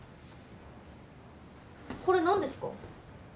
これ何ですか？